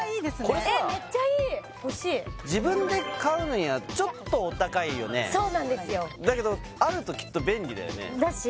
これさあ欲しい自分で買うのにはちょっとお高いよねそうなんですよだけどあるときっと便利だよねだし